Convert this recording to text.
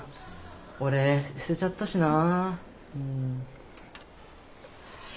俺捨てちゃったしなあ。